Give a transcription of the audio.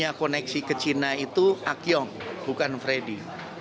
yang punya koneksi ke cina itu akyong bukan freddy